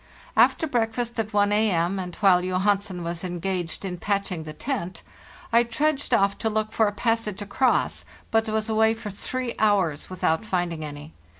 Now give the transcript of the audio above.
After breakfast at 1 A.m., and while Johansen was engaged in patching the tent, I trudged off to look for a passage across, but was away for three hours without finding any.